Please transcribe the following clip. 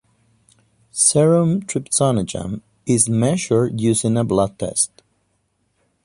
Serum trypsinogen is measured using a blood test.